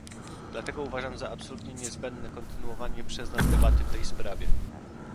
Dlatego uważam za absolutnie niezbędne kontynuowanie przez nas debaty w tej sprawie